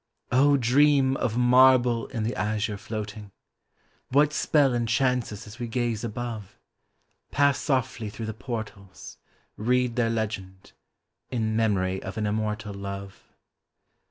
] DREAM of marble in the azure floating ! What spell enchants us as we gaze above ? Pass softly through the portals — read their legend, —" In memory of an immortal love."